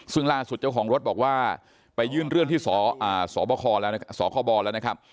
ซึ่งล่าสุดเจ้าของรถบอกว่าไปยื่นเรื่องที่สบคแล้วสคบแล้วนะครับ